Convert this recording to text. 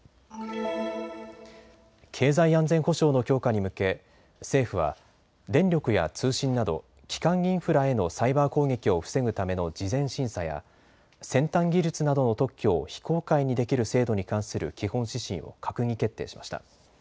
経済安全保障の強化に向け政府は電力や通信など基幹インフラへのサイバー攻撃を防ぐための事前審査や先端技術などの特許を非公開にできる制度に関する基本指針を閣議決定しました。